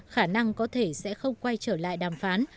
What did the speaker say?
khả năng có thể sẽ không quay trở lại đàm phán